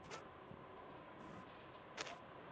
سړک زدهکوونکي درس ته رسوي.